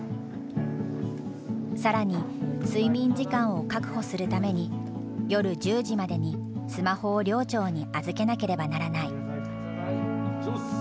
更に睡眠時間を確保するために夜１０時までにスマホを寮長に預けなければならない。